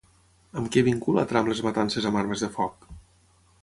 Amb què vincula Trump les matances amb armes de foc?